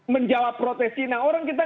menjawab protes cina orang kita